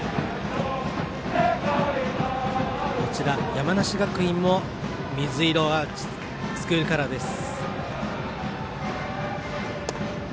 山梨学院も水色がスクールカラーです。